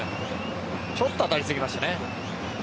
ちょっと当たりすぎましたね。